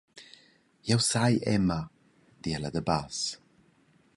«Jeu sai, Emma», di ella da bass.